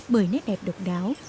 bởi nét đẹp độc đáo